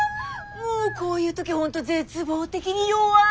もうこういう時本当絶望的に弱い。